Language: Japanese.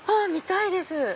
見たいです！